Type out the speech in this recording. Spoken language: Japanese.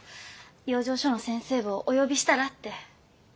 養生所の先生をお呼びしたらって。